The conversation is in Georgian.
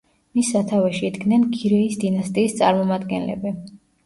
მის სათავეში იდგნენ გირეის დინასტიის წარმომადგენლები.